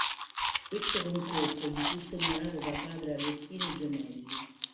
Questo concorso gli fu segnalato da Padre Agostino Gemelli.